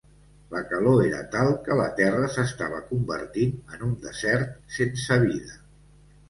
La calor era tal que la terra s'estava convertint en un desert sense vida.